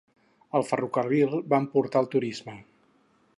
El ferrocarril van portar el turisme.